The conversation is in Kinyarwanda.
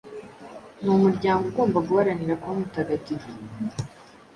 n‟umuryango ugomba guharanira kuba mutagatifu.